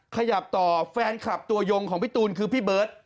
ขยับต่อแฟนคลับตัวยงของพี่ตูนคือพี่เบิร์ต